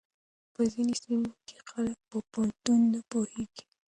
په ځينو سيمو کې خلک په پوهنتون نه پوهېږي.